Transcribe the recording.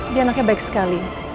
dia anaknya baik sekali